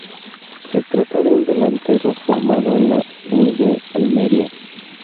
Se trata de un delantero formado en la U. D. Almería.